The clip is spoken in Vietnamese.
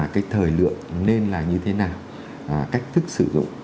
cái thời lượng nên là như thế nào cách thức sử dụng